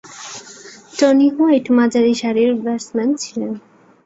Tony White মাঝারিসারির batsman ছিলেন।